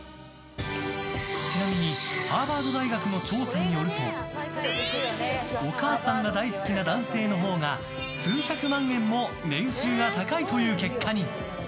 ちなみにハーバード大学の調査によるとお母さんが大好きな男性のほうが数百万円も年収が高いという結果に。